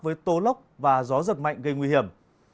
với tố lốc và gió giật mạnh gây nguy hiểm